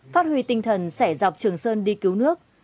phát huy tinh thần sẻ dọc trường sơn đi cứu nước